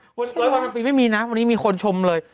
ร้อยวันทั้งปีไม่มีนะวันนี้มีคนชมเลย